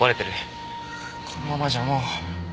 このままじゃもう。